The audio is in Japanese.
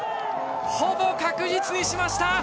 ほぼ確実にしました！